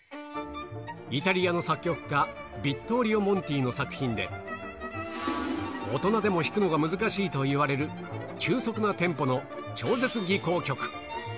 イタリアの作曲家、ヴィットーリオ・モンティの作品で、大人でも弾くのが難しいといわれる急速なテンポの超絶技巧曲。